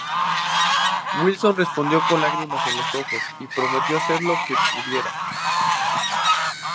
Wilson respondió con lágrimas en los ojos y prometió hacer lo que pudiera.